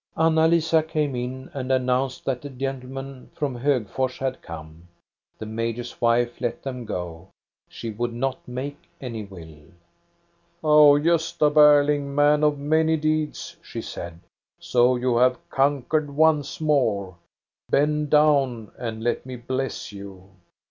Anna Lisa came in and announced that the gentle men from Hogfors had come. The major's wife let them go. She would not make any will. "Oh, Gosta Berling, man of many deeds," she said, "so you have conquered once more. Bend down and let me bless you!"